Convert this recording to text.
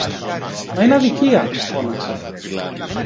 Μα είναι αδικία, φώναξα.